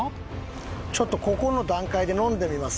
ちょっとここの段階で飲んでみます